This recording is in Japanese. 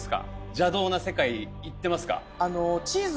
邪道な世界いってますか？